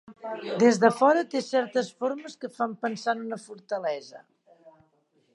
Des de fora té certes formes que fan pensar en una fortalesa.